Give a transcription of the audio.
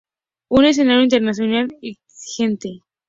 Un escenario internacional exigente.